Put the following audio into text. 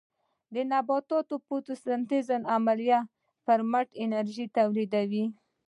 نباتات د فوټوسنټیز عملیې پر مټ انرژي تولیدوي